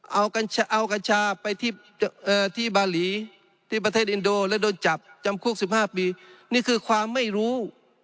เอากัญชาไปที่บาหลีที่ประเทศอินโดและโดนจับจำคุก๑๕ปีนี่คือความไม่รู้